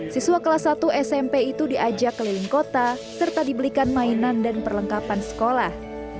siswa kelas satu smp itu diajak keliling kota serta dibelikan mainan dan perlengkapan sekolah